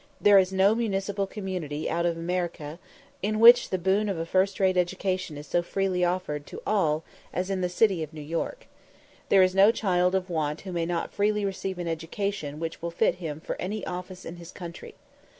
There is no municipal community out of America in which the boon of a first rate education is so freely offered to all as in the city of New York. There is no child of want who may not freely receive an education which will fit him for any office in his country.